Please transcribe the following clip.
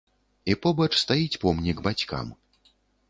І побач стаіць помнік бацькам.